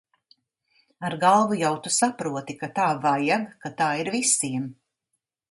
Ar galvu jau tu saproti, ka tā vajag, ka tā ir visiem.